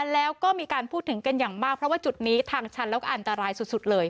แล้วก็มีการพูดถึงกันอย่างมากเพราะว่าจุดนี้ทางชันแล้วก็อันตรายสุดเลย